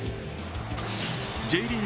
Ｊリーグ